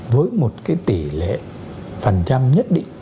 với một cái tỷ lệ phần trăm nhất định